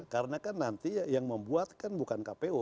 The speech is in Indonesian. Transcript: karena kan nanti yang membuat kan bukan kpu